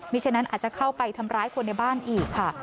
ฉะนั้นอาจจะเข้าไปทำร้ายคนในบ้านอีกค่ะ